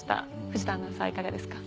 藤田アナウンサーはいかがですか？